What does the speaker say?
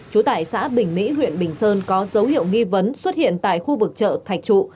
trú tại xã bình mỹ huyện bình sơn có dấu hiệu nghi vấn xuất hiện tại khu vực chợ thạch trụ